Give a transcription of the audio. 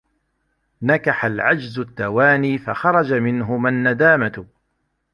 نَكَحَ الْعَجْزُ التَّوَانِي فَخَرَجَ مِنْهُمَا النَّدَامَةُ